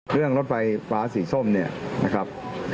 เรื่องรถไฟฟ้าสีส้มเนี่ยนะครับ